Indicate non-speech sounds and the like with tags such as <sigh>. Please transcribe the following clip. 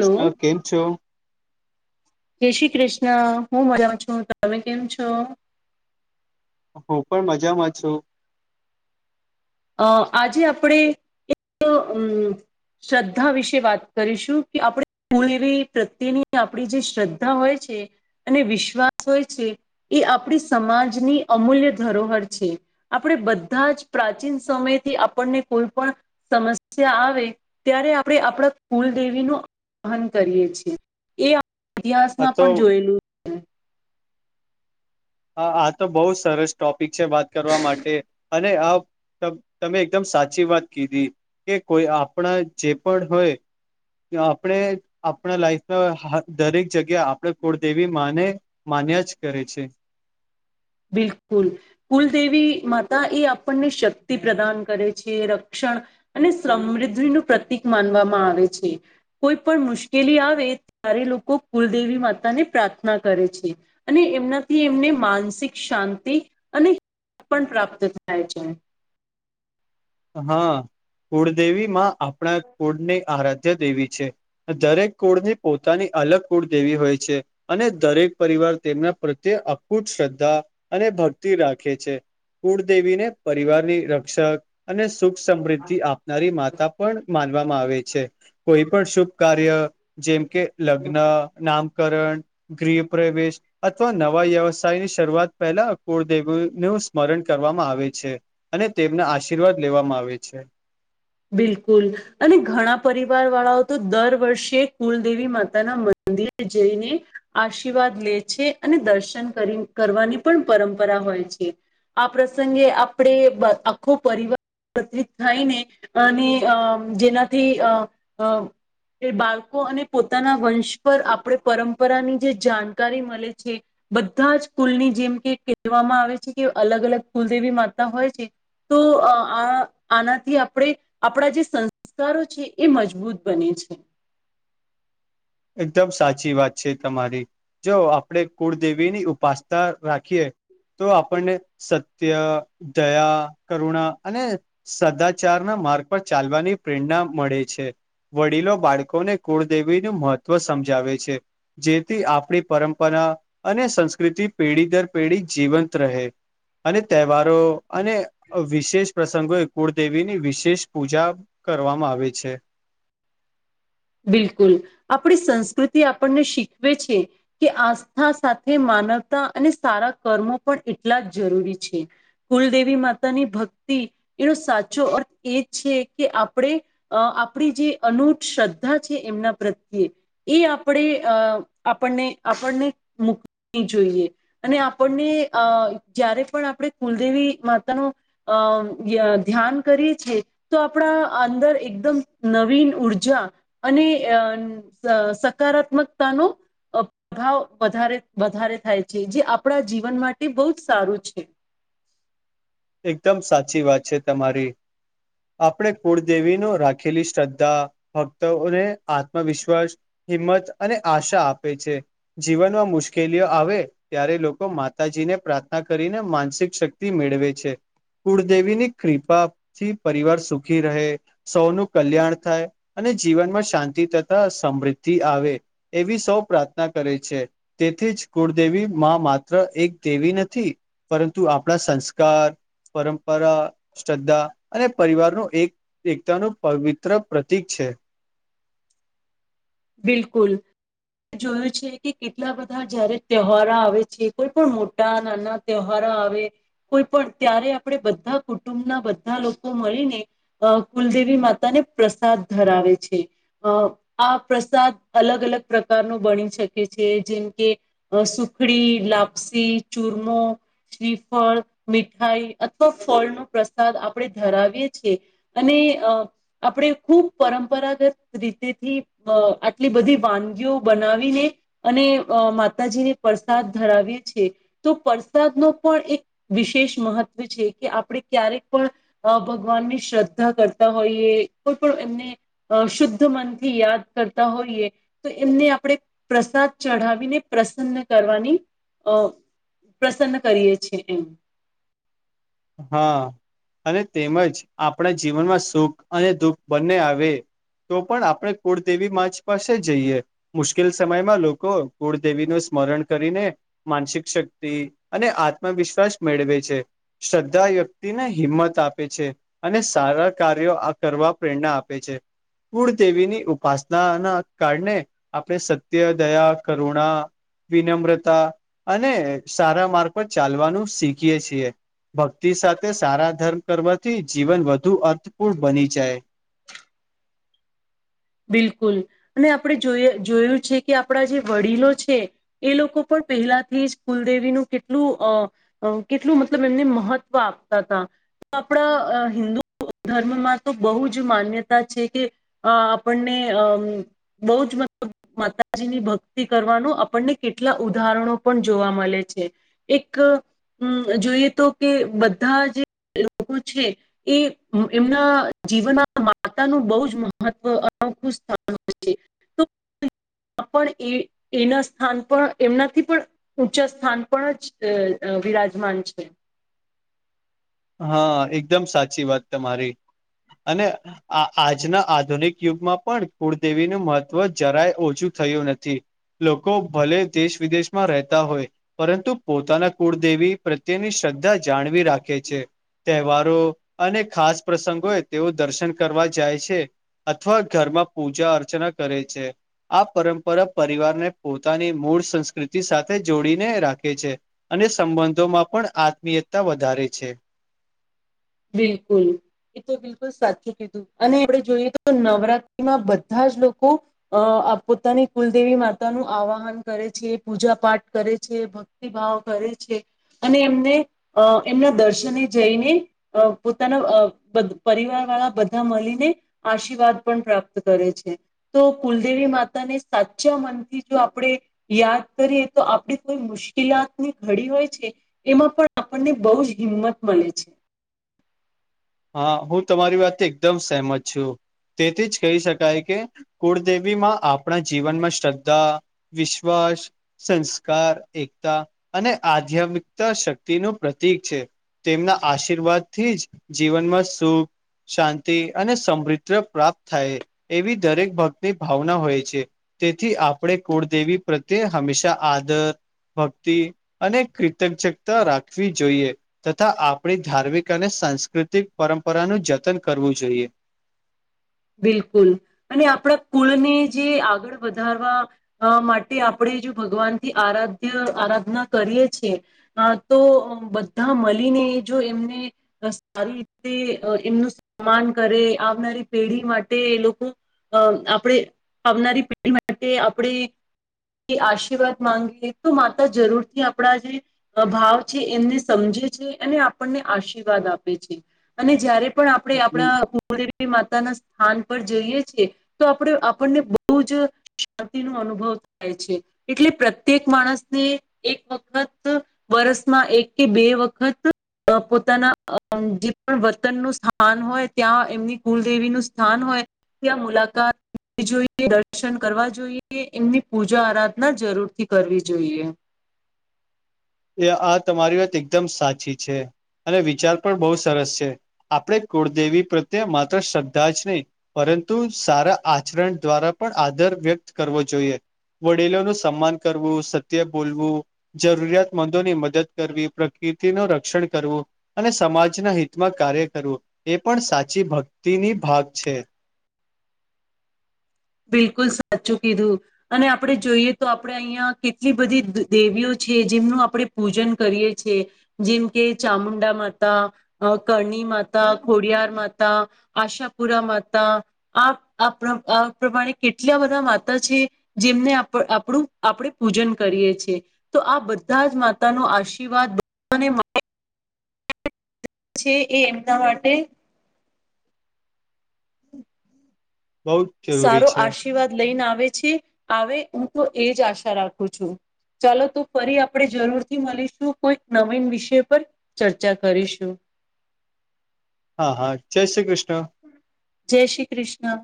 Hello કેમ છો? જય શ્રી કૃષ્ણ. હું મજા છું. તમે કેમ છો? હું પણ મજામાં છું. અ આજે આપણે એક અમ. શ્રદ્ધા વિશે વાત કરીશું કે આપણે મૂળ એવી પ્રત્યેની આપડી જે શ્રદ્ધા હોય છે. અને વિશ્વાસ હોય છે એ આપણી સમાજની અમૂલ્ય ધરોહર છે. આપણે બધા જ પ્રાચીન સમયથી આપણને કોઈ પણ સમસ્યા આવે ત્યારે આપણે આપણા કુલદેવીનો વહન કરીએ છીએ એ આપ આ ઇતિહાસમાં તો પણ જોયેલું છે. હ આ તો બહુ સરસ ટોપિક છે વાત કરવા માટે અને આ તમ તમે એકદમ સાચી વાત કીધી કે કોઈ આપણા જે પણ હોય આપણે આપણા લાઈફમાં હ દરેક જગ્યા આપણે કુળદેવી માને મા ન્યા જ કરે છે. બિલકુલ કુલદેવી માતા એ આપણને શક્તિ પ્રદાન કરે છે રક્ષણ અને સમૃદ્ધિ નું પ્રતિક માનવામાં આવે છે કોઈ પણ મુશ્કેલી આવે તારે લોકો કુલદેવી માતા ને પ્રાર્થના કરે છે અને એમનાથી એમને માનસિક શાંતિ અને પણ પ્રાપ્ત થાય છે. હા, કુળદેવી માં આપણા કુળની આરાધના વિદ્યા દેવી છે. દરેક કુળની પોતાની અલગ કુળ દેવી હોય છે અને દરેક પરિવાર. તેમના પ્રત્યે અકૂટ શ્રદ્ધા અને ભક્તિ રાખે છે. કુળદેવીને પરિવારની રક્ષક. અને સુખ સમૃદ્ધિ આપનારી માતા પણ માનવામાં આવે છે. કોઈ પણ શુભ કાર્ય જેમ કે લગ્ન નામ કરણ, ગૃહ પ્રવેશ અથવા નવા વ્યવસાય ની શરૂઆત પહેલા અ કુળદેવી નું નું સ્મરણ કરવામાં આવે છે અને તેમના આશીર્વાદ લેવામાં આવે છે. બિલકુલ, અને ઘણા પરિવાર વાળાઓ તો દર વર્ષે કુલદેવી માતાના મદિરે મદિરે જઈને આશીર્વાદ લે છે અને દર્શન કરી કરવાની પણ પરંપરા. હોય છે. આ પ્રસંગે આપણે બંધ આખો પરિવાર એકત્રિત થાયને અને અમ જેનાથી અ અ એ બાળકો અને પોતાના વંશ પર આપણા પરંપરાની જે જાણકારી મલે છે. બધા જ કુલની જેમ કે કહેવામાં આવે છે કે, અલગ અલગ કુલદેવી માતા હોય છે. તો અ આ આનાથી આપણે આપણા જે સંસ્કારો છે, એ મજબૂત બને છે. એકદમ સાચી વાત છે તમારી. જો આપણેે કુળદેવી ની ઉપાસના રાખીએ. તો આપણને સત્ય, દયા, કરુણા, અને સદાચાર ના માર્ગ પર ચાલવાની પ્રેરણા મળે છે. વડીલો બાળકોને કુળદેવીનું મહત્વ સમજાવે છે, જેથી આપણી પરંપરા અને સંસ્કૃતિ પેઢી દર પેઢી જીવંત રહે. અને તહેવારો અને અ વિશેષ પ્રસંગો એ કુળદેવીની વિશેષ પૂજા. કરવામાં આવે છે. બિલકુલ, આપણી સંસ્કૃતિ આપણને શીખવે છે કે આસ્થા સાથે માનવતા અને સારા કર્મો પણ એટલાજ જરૂરી છે, કુલદેવી માતાની ભક્તિ એનો સાચો અર્થ એ છે કે, આપણે અ આપણી જે અનૂટ છે, એમના પ્રત્યે એ આપડે આપણને આપણને મ જોઈએ, અને આપણને અ જ્યારે પણ આપણે કુલદેવી માતાનો અ. ધ્યાન કરીએ છીએ, તો આપણા અંદર એકદમ નવીન ઉર્જા અને અ ન સકારાત્મકતાનો પ્રભાવ વધારે વધારે થાય છે જે આપણા જીવન માટે બઉજ સારું છે એકદમ સાચી વાત છે તમારી આપણે કુળદેવી નો રાખેલી શ્રદ્ધા ભક્તોને આત્મવિશ્વાસ હિંમત અને આશા આપે છે જીવનમાં મુશ્કેલીઓ આવે ત્યારે લોકો માતાજી ને પ્રાર્થના કરીને માનસિક શક્તિ મેળવે છે કુળદેવીની ક્રિપા થી પરિવાર સુખી રહે સૌનું કલ્યાણ થાય અને જીવનમાં શાંતિ તથા સમૃદ્ધિ આવે એવી સૌ પ્રાર્થના કરે છે, તેથી કુળદેવી માં માત્ર એક દેવી નથી, પરંતુ આપણા સંસ્કાર પરંપરા, શ્રદ્ધા અને પરિવારનું એક એકતાનું પવિત્ર પ્રતીક છે. <unintelligible> બિલકુલ. જોયું છે કે, કેટલા બધા જયારે તહેવારો આવે છે, કોઈ પણ મોટા-નાના તહેવારો ના આવે. કોઈ પણ ત્યારે આપણે બધા કુટુંબના બધા લોકો મળીને અ કુલદેવી માતા પ્રસાદ ધરાવે છે. પ્રસાદ અલગ-અલગ પ્રકાર નો બની શકે છે, જેમ કે સુખડી, લાપસી બુદી, ચુરમો. શ્રીફળ મીઠાઈ અથવા ફળ નો પ્રસાદ આપડે ધરાવીએ છીએ અને ને અ આપણેે ખુબ પરંપરાગત રીતેથી અ આટલી બધી વાનગીઓ બનાવીને અને અ માતાજીને પ્રસાદ ધરાવી એ છે તો પરસાદ નો પણ એક વિશેષ મહત્વ છે કે આપણે ક્યારેક પણ અ ભગવાન ની શ્રદ્ધા કરતા હોઈએ કોઈ પણ એમને અ શુદ્ધ મન થી યાદ કરતા હોઈએ તો એમને આપણે પ્રસાદ ચઢાવીને પ્રસન્ન કરવાની અ પ્રસન્ન કરીયે છે એમ હા અને તેમજ આપણા જીવનમાં સુખ અને દુઃખ બંને આવે તો પણ આપણે કુળદેવી માચ પાસે જઈએ મુશ્કેલ સમયમાં લોકો કુળદેવી નું સ્મરણ કરીને માનસિક શક્તિ અને આત્મવિશ્વાસ મેળવે છે શ્રદ્ધા વ્યક્તિને હિંમત આપે છે અને સારા કાર્યો આ કરવા પ્રેરણા આપે છે. કુળદેવીની ઉપાસના ના કારણે આપણે સત્ય, દયા, કરુણા વિનમ્રતા અને સારા માર્ગ ચાલવાનું શીખીએ છીએ. ભક્તિ સાથે સારા ધર્મ કરવાથી જીવન વધુ અર્થપૂર્ણ બની જાય. <inaudible> <unintelligible> બિલકુલ અને આપણે જોય જોયું છે કે આપણા જે વડીલો છે એ લોકો પણ પહેલાથી જ કુલદેવીનું કેટલું અ કેટલું મતલબ એમને મહત્વ આપતા હતા. આપણા હિન્દુ ધર્મમાં તો બહુ જ માન્યતા છે કે આપણને બહુ જ મતલબ માતાજીની ભક્તિ કરવાનું આપણને કેટલા ઉદાહરણ કારણો પણ જોવા મળે છે એક હુ જોઈએ તો કે બધા જે લોકો છે એ એમના જીવનમાં માતાનું બહુ જ મહત્વ અનોખુ સ્થાન હોય છે તો પણ એ એના સ્થાન પણ એમનાથી પણ ઊંચા સ્થાન પણ જ બિરાજમાન છે. હા એકદમ સાચી વાત તમારી અને આ આજના આધુનિક યુગમાં પણ કુળદેવીનું મહત્વ જરાય ઓછું થયું નથી, લોકો ભલે દેશ વિદેશમાં રહેતા હોય પરંતુ પોતાના કુળદેવી પ્રત્યેની શ્રદ્ધા જાણવી રાખે છે. તહેવારો અને ખાસ પ્રસંગો તેઓ દર્શન કરવા જાય છે. અથવા ઘરમાં પૂજા અર્ચના કરે છે. આ પરંપરા પરિવારને પોતાની મૂળ સંસ્કૃતિ સાથે જોડીને રાખે છે. અને સંબંધોમાં પણ આત્મીયતા વધારે છે. બિલકુલ. એ તો બિલકુલ સાચું કીધું અને આપણે જોઈએ તો નવરાત્રીમાં બધા જ લોકો અ પોતાની કુલદેવી માતાનું આવાહન કરે છે, પૂજા પાઠ કરે છે, ભક્તિભાવ કરે અને એમને અ એમના દર્શને જઈને અ પોતાના પરિવાર વાળા બધા મળીને આશીર્વાદ પણ પ્રાપ્ત કરે છે. તો કુલદેવી માતાને સાચા મનથી જો આપણે યાદ કરીએ તો આપણે કોઈ મુશ્કેલાતની ઘડી હોય છે એમાં પણ આપણને બહુ જ હિંમત મળે છે. હા હું તમારી વાતથી એકદમ સહેમત છું‌‌. તેથી જ કહી શકાય કે કુળદેવીમાં આપણા જીવનમાં શ્રદ્ધા, વિશ્વાસ, સંસ્કાર, એકતા અને આધ્યાત્મિકતા શક્તિનું પ્રતિક છે. તેમના આશીર્વાદથી જ જીવનમાં સુખ શાંતિ અને સમૃદ્ધ પ્રાપ્ત થાય એવી દરેક ભક્તિની ભાવના હોય છે. તેથી આપણે કુળદેવી પ્રત્યે હંમેશા આદર ભક્તિ અને કીતજકતા રાખવી જોઈએ તથા આપણી ધાર્મિક અને સંસ્કૃતિ પ્રકૃતિક પરંપરાનું જતન કરવું જોઈએ. બિલકુલ અને આપણા કુળને જે આગળ વધારવા માટે આપણે જો ભગવાનથી આરાધ્ય આરાધના કરીએ છિએ તો બધા મળીને જો એમને સારી રીતે એમનું સન્માન કરે આવનારી પેઢી માટે એ લોકો અ આપણે આવનારી પેઢી માટે આપણે કે આશીર્વાદ માંગી તો માતા જરૂર થી આપણા જે ભાવ છે એમને સમજ આપને આશીર્વાદ આપે છે અને જય્યારે પણ આપણે આપણા કુળદેવી ના સ્થાન પર જઈએ છે તો આપણે આપણને બહુ જ શાંતિનો અનુભવ થાય છે એટલે પ્રત્યેક માણસને એક વખત વરસમાં એક કે બે વખત અ પોતાના જે પણ વર્તનનું સ્થાન હોય ત્યાં એમની કુલ દેવી નું સ્થાન હોય, ત્યા આ મુલાકાત જોઈએ દર્શન કરવા જોઈએ એમની પૂજા આરાધના જરૂરથી કરવી જોઈએ. એ આ તમારી વાત એકદમ સાચી છે અને વિચાર પણ બહુ સરસ છે આપણે કુળદેવી પ્રત્યે માત્ર શ્રદ્ધા જ નહીં પરંતુ પરંતુ સારા આચરણ દ્વારા પણ આદર વ્યક્ત કરવો જોઈએ વડીલોનું સન્માન કરવું સત્ય બોલવું જરૂરિયાત મંદો ની મદદ કરવી પ્રકૃતિ નું રક્ષણ કરવું અને સમાજના હિતમાં કાર્ય કરવું. એ પણ સાચી ભક્તિની ભાગ છે. બિલકુલ સાચું કીધું અને આપણે જોઈએ તો આપણેે અહિયાં કેટલી બધી દેવીઓ છે. જેમનું આપણે પૂજન કરીએ છીએ જેમ કે ચામુંડા માતા કરણી માતા ખોડિયાર માતા આશાપુરા માતા આપ પ્રમાણે કેટલા બધા માતા છે જેમને આપણું આપણે પૂજન કરીએ છીએ. તો આ બધા જ માતા નો આશીર્વાદ <inaudible> છે એ એમના માટે બહુ જ જરૂરી સારો છે. આશીર્વાદ લઈને આવે છે આવે હું તો એજ આશા રાખું છું ચાલો તો ફરી આપણે જરૂર થી મળીશું કોઈક નવીન વિષય પર ચર્ચા કરીશું. હા હા જય શ્રી કૃષ્ણ. જય શ્રી કૃષ્ણ.